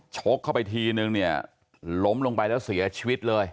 ชกเข้าไปทีนึงเนี่ยล้มลงไปแล้วเสียชีวิตเลย